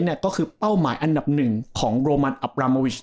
นั่นก็คือเป้าหมายอันดับหนึ่งของโรมันอับราโมวิช